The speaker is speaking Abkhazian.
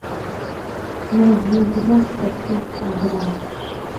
Уажә иазгәаҳҭап ус абра.